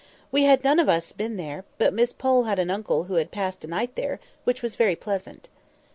We had none of us been there; but Miss Pole had an uncle who once had passed a night there, which was very pleasant.